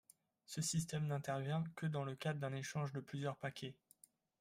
Ce système n'intervient que dans le cadre d'un échange de plusieurs paquets.